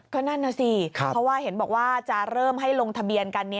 ก็นั่นน่ะสิเพราะว่าเห็นบอกว่าจะเริ่มให้ลงทะเบียนกัน